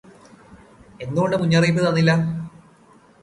എന്തുകൊണ്ട് മുന്നറിയിപ്പ് തന്നില്ല